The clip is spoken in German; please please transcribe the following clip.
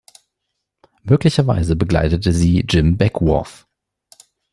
Möglicherweise begleitete sie Jim Beckwourth.